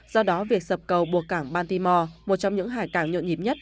do đó việc sập cầu buộc cảng baltimore một trong những hải cảng nhộn nhím nhất